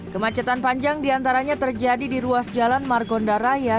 kemacetan panjang diantaranya terjadi di ruas jalan margonda raya